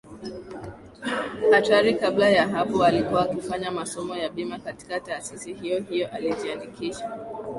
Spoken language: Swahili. Hatari Kabla ya hapo alikuwa akifanya masomo ya Bima katika Taasisi hiyo hiyo Alijiandikisha